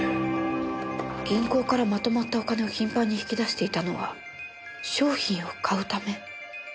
銀行からまとまったお金を頻繁に引き出していたのは商品を買うため？